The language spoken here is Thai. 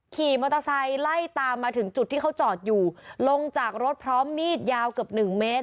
ขี่มอเตอร์ไซค์ไล่ตามมาถึงจุดที่เขาจอดอยู่ลงจากรถพร้อมมีดยาวเกือบหนึ่งเมตร